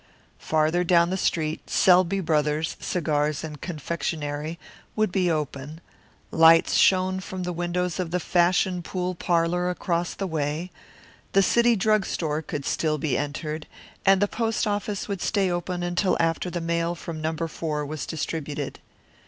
Farther down the street Selby Brothers, Cigars and Confectionery, would be open; lights shone from the windows of the Fashion Pool Parlour across the way; the City Drug Store could still be entered; and the post office would stay open until after the mail from No. 4 was distributed.